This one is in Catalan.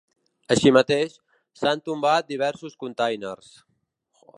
Així mateix, s’han tombat diversos containers.